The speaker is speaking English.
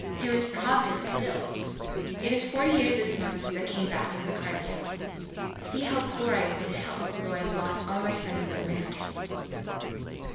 There is Providence still. It is 40 years this month since I came back from the Crimea. See how poor I have been helped, though I have lost all my friends among Ministers.